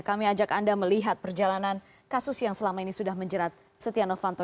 kami ajak anda melihat perjalanan kasus yang selama ini sudah menjerat setia novanto